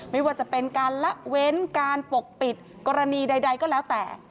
ไม่ว่าจะเป็นการละเว้นการปกปิดกรณีใดก็แล้วแต่